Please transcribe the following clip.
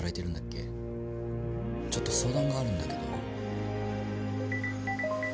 ちょっと相談があるんだけど。